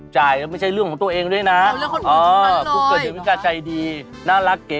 จ่ายแล้วไม่ใช่เรื่องของตัวเองด้วยนะอ๋อคุกเกิดเวลวิกาใจดีน่ารักเก๋